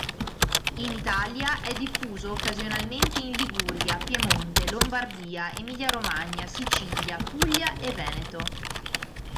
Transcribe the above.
In Italia è diffuso occasionalmente in Liguria, Piemonte, Lombardia, Emilia-Romagna, Sicilia, Puglia e Veneto.